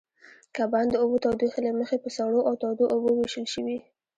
کبان د اوبو تودوخې له مخې په سړو او تودو اوبو وېشل شوي.